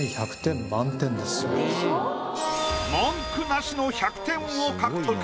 文句なしの１００点を獲得。